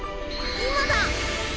今だ！